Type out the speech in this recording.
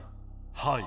はい。